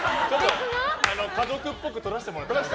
家族っぽく撮らせてもらって。